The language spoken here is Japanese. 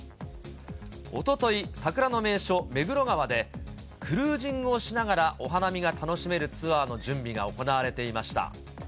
おととい、桜の名所、目黒川で、クルージングをしながらお花見が楽しめるツアーの準備が行われていました。